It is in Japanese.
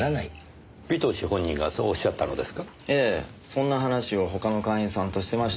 そんな話を他の会員さんとしてましたよ。